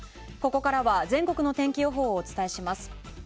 ここからは全国の天気予報をお伝えします。